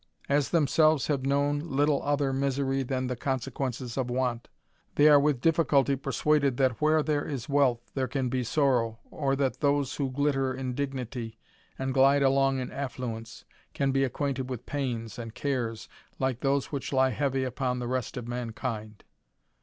As themselves have blown little other misery than the consequences of want, they are with difficulty persuaded that where there is wealth there can be sorrow, or that those who glitter in d^nity, and glide along in affluence, can be acquainted with pains and cares like those which lie heavy upon the rest of mankind.